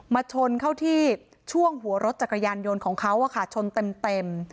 ชนเข้าที่ช่วงหัวรถจักรยานยนต์ของเขาชนเต็ม